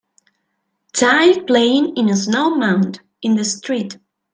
Child playing in a snow mound in the street.